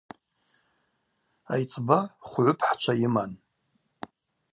Айцӏба хвгӏвыпхӏчва йыман.